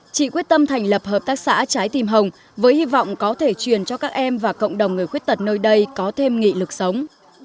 chị quyết tâm thành lập hợp tác xã trái tim hồng với hy vọng có thể truyền cho các em và cộng đồng người khuyết tật nơi đây có thêm nghị lực sống